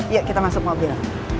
iya kita masuk mobil